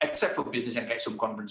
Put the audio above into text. kecuali bisnis yang seperti subkonferensi